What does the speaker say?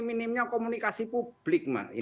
minimnya komunikasi publik mak